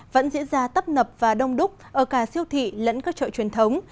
vẫn diễn ra tấp nập và đông đúc ở cả siêu thị lẫn các chợ truyền thống